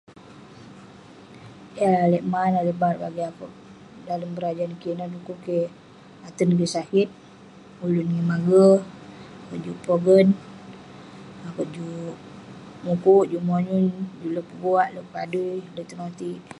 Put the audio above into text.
Yah lalek man, lalek bat bagik akouk dalem berajan kik ineh, dukuk kik..aten kik sakit, ulun kik mage, juk pogen, akouk juk mukuk, juk monyun..juk leg peguak, leg padui..leg tenotik..